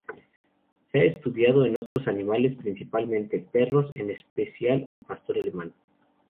Se ha estudiado en otros animales, principalmente perros, en especial el pastor alemán.